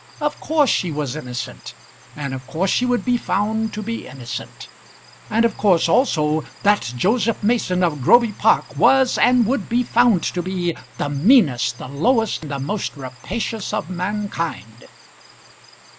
Of course she was innocent, and of course she would be found to be innocent. And of course, also, that Joseph Mason of Groby Park was, and would be found to be, the meanest, the lowest, the most rapacious of mankind.